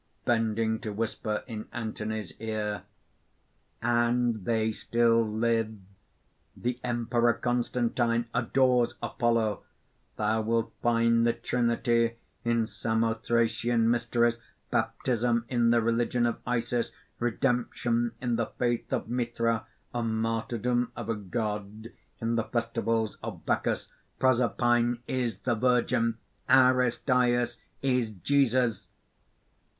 (Bending to whisper in Anthony's ear: ) "And they still live! The Emperor Constantine adores Apollo. Thou wilt find the Trinity in Samothracian mysteries, baptism in the religion of Isis, redemption in the faith of Mithra, a martyrdom of a God in the festivals of Bacchus. Prosperpine is the Virgin!... Aristæus is Jesus!"